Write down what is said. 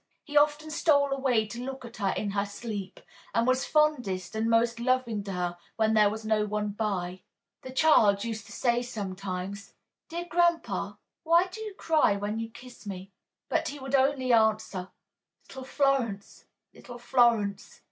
He often stole away to look at her in her sleep, and was fondest and most loving to her when there was no one by. The child used to say then sometimes: "Dear grandpa, why do you cry when you kiss me?" But he would only answer, "Little Florence! Little Florence!"